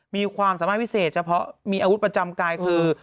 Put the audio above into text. มีความสามารถพิเศษเฉพาะมีอาวุธประจำกายคือ